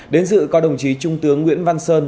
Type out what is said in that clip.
đến dự có đồng chí trung tướng nguyễn văn sơn